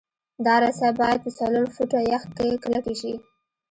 دا رسۍ باید په څلور فټه یخ کې کلکې شي